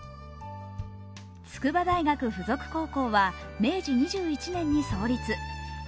筑波大学附属高校は明治２１年に創立。